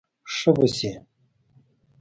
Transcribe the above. ښه به شې.